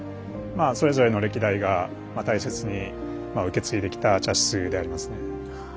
それぞれの歴代が大切に受け継いできた茶室でありますね。